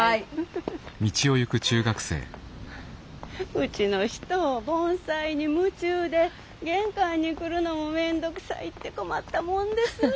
うちの人盆栽に夢中で玄関に来るのも面倒くさいって困ったもんです。